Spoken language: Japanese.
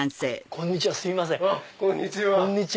こんにちは。